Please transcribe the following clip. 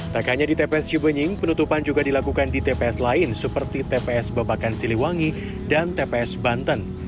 tak hanya di tps cibenying penutupan juga dilakukan di tps lain seperti tps babakan siliwangi dan tps banten